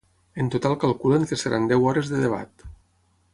En total calculen que seran deu hores de debat.